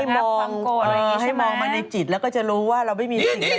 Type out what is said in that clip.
ให้มองให้มองมาในจิตแล้วก็จะรู้ว่าเราไม่มีสิ่งใดที่ควรจะโกรธ